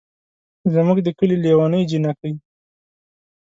زمونږ ده کلي لېوني جينکۍ